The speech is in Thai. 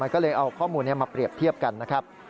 ก็เลยเอาข้อมูลนี้มาเปรียบเทียบกันนะครับ